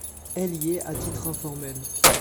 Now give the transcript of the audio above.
Elle y est à titre informel.